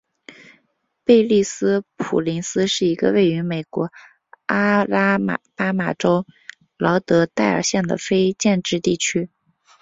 贝利斯普林斯是一个位于美国阿拉巴马州劳德代尔县的非建制地区。